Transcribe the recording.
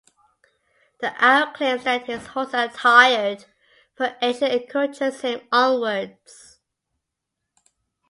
The Hour claims that his horses are tired, but Asia encourages him onwards.